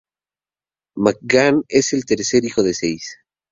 McGann es el tercero de seis hijos.